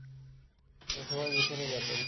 এরা সবাই মিথেনের জাতক।